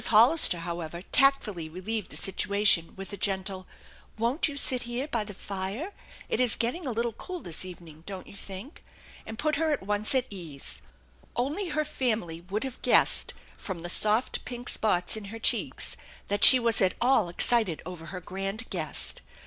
Hollister, however, tactfully relieved the situation, with a gentle, " Won't you sit here by the fire ? It is getting a little cool this evening, don't you think ?" and put her at once at her ease. Only her family would have guessed from the soft pink spots in her cheeks that she was at all excited over her grand guest.